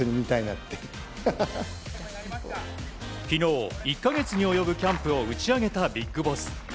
昨日１か月に及ぶキャンプを打ち上げたビッグボス。